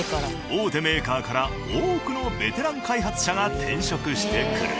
大手メーカーから多くのベテラン開発者が転職してくる。